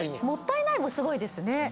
もったいないもすごいですね。